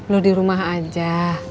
lu di rumah aja